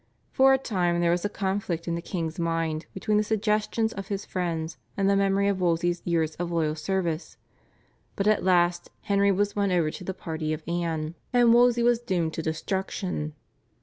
For a time there was a conflict in the king's mind between the suggestions of his friends and the memory of Wolsey's years of loyal service; but at last Henry was won over to the party of Anne, and Wolsey was doomed to destruction.